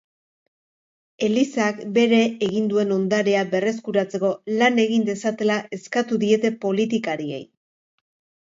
Elizak bere egin duen ondarea berreskuratzeko lan egin dezatela eskatu diete politikariei